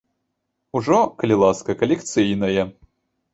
Ужо, калі ласка, калекцыйнае!